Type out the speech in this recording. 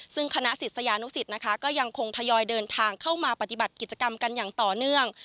ซึ่งคณะศิษยานุสิตนะคะก็ยังคงทยอยเดินทางเข้ามาปฏิบัติกิจกรรมกันอย่างต่อเนื่อง